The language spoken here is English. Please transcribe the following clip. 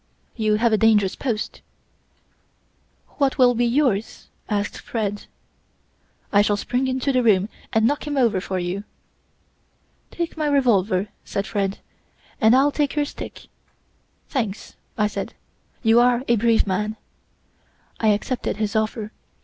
You have a dangerous post.' "'What will be yours?' asked Fred. "'I shall spring into the room and knock him over for you.' "'Take my revolver,' said Fred, 'and I'll take your stick.' "'Thanks,' I said; 'You are a brave man.' "I accepted his offer.